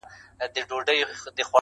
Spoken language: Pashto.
• شپې د عمر غلیماني ورځي وخوړې کلونو -